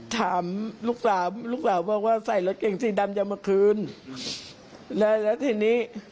ถามลูกสาวว่าว่าใส่ลดเกงสีดำจำเป็นตอนเนี่ย